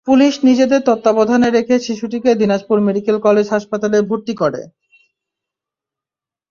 Police নিজেদের তত্ত্বাবধানে রেখে শিশুটিকে দিনাজপুর মেডিকেল কলেজ হাসপাতালে ভর্তি করে।